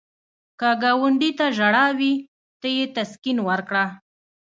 که ګاونډي ته ژړا وي، ته یې تسکین ورکړه